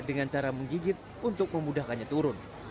dengan cara menggigit untuk memudahkan